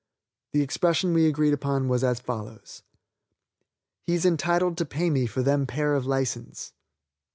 The expression we agree was as follows: 'He's entitled to pay me for them pair of license.'